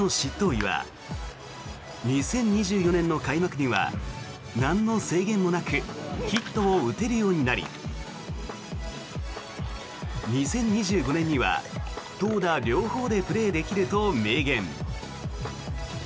医は２０２４年の開幕にはなんの制限もなくヒットを打てるようになり２０２５年には投打両方でプレーできると明言。